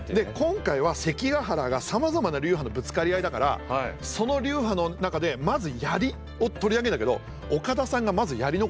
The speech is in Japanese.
今回は関ヶ原がさまざまな流派のぶつかり合いだからその流派の中でまず槍を取り上げんだけど岡田さんがまず槍のことをすぐね